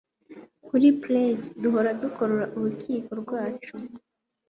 kuri plays, duhora dukora urukiko rwacu